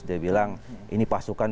dia bilang ini pasukan